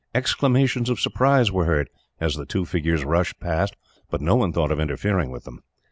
Exclamations of surprise were heard, as the two figures rushed past, but no one thought of interfering with them.